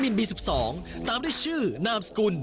คาถาที่สำหรับคุณ